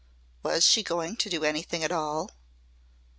Was she going to do anything at all?